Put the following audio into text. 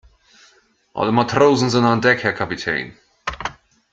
Alle Matrosen sind an Deck, Herr Kapitän.